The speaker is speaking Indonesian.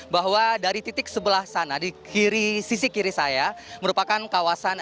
bahwa dari titik sebelah sana di sisi kiri saya merupakan kawasan